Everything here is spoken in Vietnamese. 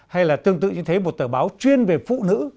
hay là tương tự như thế một tờ báo chuyên về phụ nữ